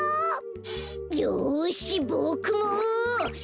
よしボクも！